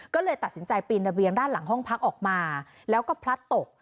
ก็เลยตัดสินใจปีนระเบียงด้านหลังห้องพักออกมาแล้วก็พลัดตก